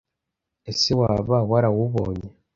Ese waba warawubonye?